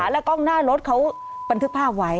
แล้วกล้องหน้ารถเขาบันทึกภาพไว้